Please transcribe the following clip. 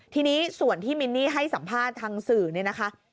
ทีนี้ส่วนที่มินนี่ให้สัมภาษณ์ทางสื่อเนี่ยนะคะ